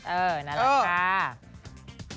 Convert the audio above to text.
เออนั่นแหละค่ะ